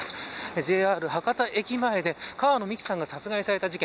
ＪＲ博多駅前で川野美樹さんが殺害された事件。